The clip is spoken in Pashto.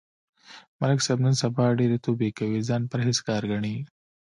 ملک صاحب نن سبا ډېرې توبې کوي، ځان پرهېز گار گڼي.